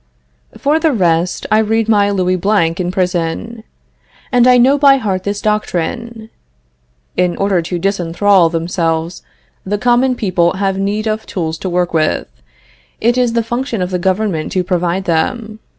For the rest, I read my Louis Blanc in prison, and I know by heart this doctrine: "In order to disenthrall themselves, the common people have need of tools to work with; it is the function of the government to provide them."